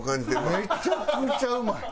めちゃくちゃうまい！